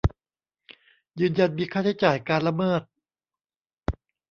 ยืนยันมีค่าใช้จ่ายการละเมิด